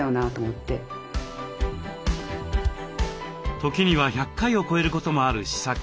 時には１００回を超えることもある試作。